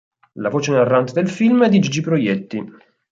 La voce narrante del film è di Gigi Proietti.